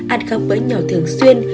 ăn các bữa nhỏ thường xuyên